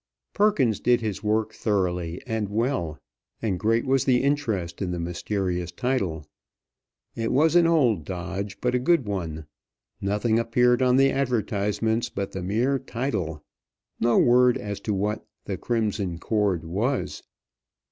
Perkins did his work thoroughly and well, and great was the interest in the mysterious title. It was an old dodge, but a good one. Nothing appeared on the advertisements but the mere title. No word as to what "The Crimson Cord" was.